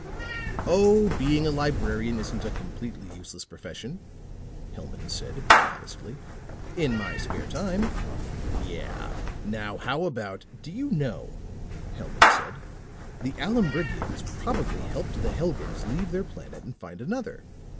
"Oh, being a librarian isn't a completely useless profession," Hellman said modestly. "In my spare time " "Yeah. Now how about " "Do you know," Hellman said, "the Aloombrigians probably helped the Helgans leave their planet and find another.